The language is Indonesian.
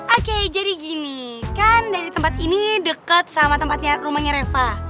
oke jadi gini kan dari tempat ini dekat sama tempatnya rumahnya reva